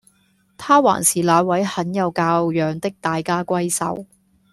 她還是那位很有教養的大家閏秀